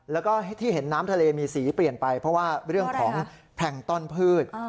แล้วก็ที่เห็นน้ำทะเลมีสีเปลี่ยนไปเพราะว่าเรื่องของแพลงต้อนพืช